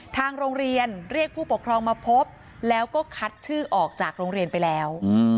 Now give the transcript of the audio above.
ทางโรงเรียนเรียกผู้ปกครองมาพบแล้วก็คัดชื่อออกจากโรงเรียนไปแล้ว